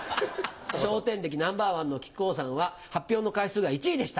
「笑点歴Ｎｏ．１の木久扇さんは発表の回数が１位でした。